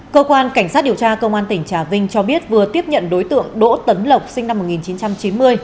cơ quan cảnh sát điều tra công an tỉnh trà vinh cho biết vừa tiếp nhận đối tượng đỗ tấn lộc sinh năm một nghìn chín trăm chín mươi